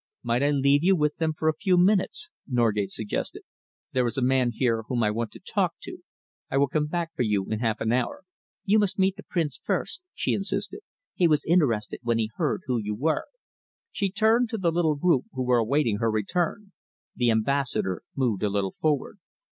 "Might I leave you with them for a few minutes?" Norgate suggested. "There is a man here whom I want to talk to. I will come back for you in half an hour." "You must meet the Prince first," she insisted. "He was interested when he heard who you were." She turned to the little group who were awaiting her return. The Ambassador moved a little forward.